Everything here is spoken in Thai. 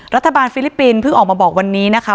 ฟิลิปปินส์เพิ่งออกมาบอกวันนี้นะคะ